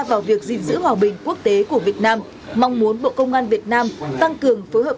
vào việc gìn giữ hòa bình quốc tế của việt nam mong muốn bộ công an việt nam tăng cường phối hợp